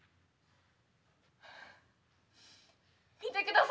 見てください。